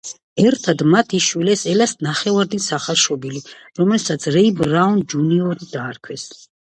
ერთად მათ იშვილეს ელას ნახევარ-დის ახალშობილი, რომელსაც რეი ბრაუნ ჯუნიორი დაარქვეს.